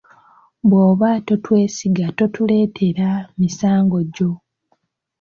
Bw'oba totwesiga totuleetera misango gyo.